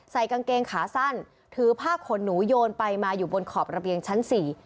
กางเกงขาสั้นถือผ้าขนหนูโยนไปมาอยู่บนขอบระเบียงชั้นสี่